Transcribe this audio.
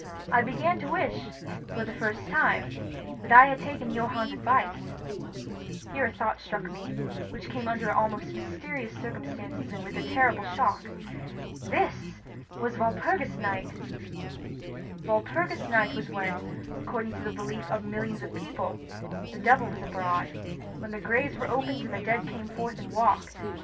I began to wish, for the first time, that I had taken Johann's advice. Here a thought struck me, which came under almost mysterious circumstances and with a terrible shock. This was Walpurgis Night! Walpurgis Night was when, according to the belief of millions of people, the devil was abroad—when the graves were opened and the dead came forth and walked.